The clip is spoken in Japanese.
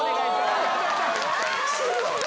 すごい！